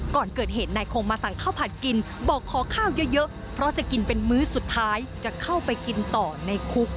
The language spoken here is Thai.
ก่อนเกิดเหตุนายคงมาสั่งข้าวผัดกินบอกขอข้าวเยอะเพราะจะกินเป็นมื้อสุดท้ายจะเข้าไปกินต่อในคุก